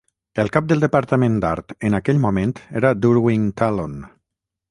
El cap del departament d'art en aquell moment era Durwin Talon.